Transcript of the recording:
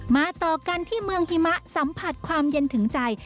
ต่อกันที่เมืองหิมะสัมผัสความเย็นถึงใจ